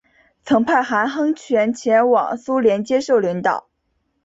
曾派韩亨权前往苏联接受领导。